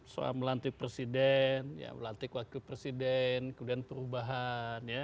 soal melantik presiden melantik wakil presiden kemudian perubahan ya